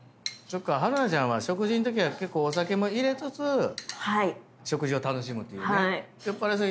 春菜ちゃんは食事のときは結構お酒も入れつつ食事を楽しむっていうね。